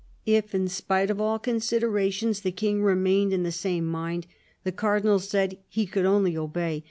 If, in spite of all considerations, the King remained in the same mind, the Cardinal said that he could only obey.